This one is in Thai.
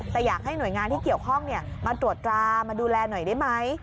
แต่อยากให้หน่วยงานที่เกี่ยวข้องมาตรวจตรามาดูแลหน่อยได้ไหม